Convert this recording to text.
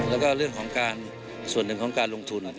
แล้วก็เรื่องของการส่วนหนึ่งของการลงทุน